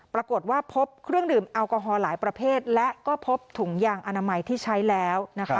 ปรากฏว่าพบเครื่องดื่มแอลกอฮอล์หลายประเภทและก็พบถุงยางอนามัยที่ใช้แล้วนะคะ